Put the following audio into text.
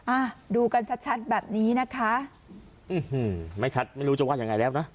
อ่ะดูกันชัดชัดแบบนี้นะคะอืมไม่ชัดไม่รู้จะว่ายังไงแล้วนะ